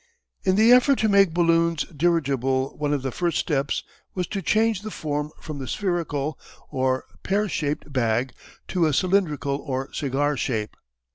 In the effort to make balloons dirigible one of the first steps was to change the form from the spherical or pear shaped bag to a cylindrical, or cigar shape.